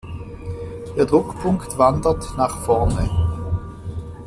Der Druckpunkt wandert nach vorne.